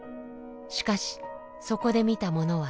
しかしそこで見たものは。